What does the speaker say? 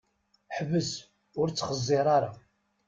Ḥbes ur ttxeẓẓiṛ ara!